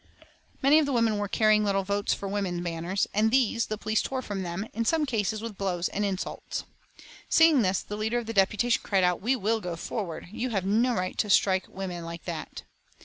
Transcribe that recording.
Many of the women were carrying little "Votes for Women" banners, and these the police tore from them, in some cases with blows and insults. Seeing this, the leader of the deputation cried out: "We will go forward. You have no right to strike women like that."